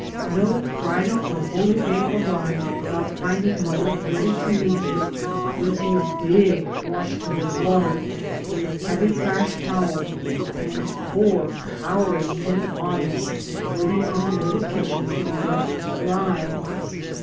No Friday or holy day arrived without finding mother ready to meet it with a big wash tub of water, a heavy crash towel, and four cowering little bodies waiting in the lit tle kitchen to be rubbed dry.